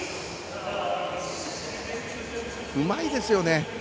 うまいですよね。